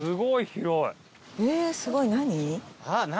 すごい！何？